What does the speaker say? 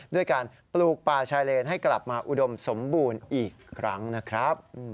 ด้วยการปลูกป่าชายเลนให้กลับมาอุดมสมบูรณ์อีกครั้งนะครับ